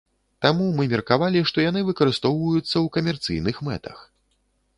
Таму мы меркавалі, што яны выкарыстоўваюцца ў камерцыйных мэтах.